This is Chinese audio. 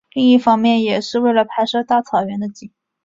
另一方面也是为了拍摄大草原的景。